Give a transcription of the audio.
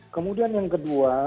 kemudian yang kedua